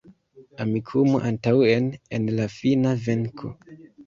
Amikumu antaŭen al la fina venko